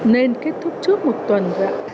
nên kết thúc trước một tuần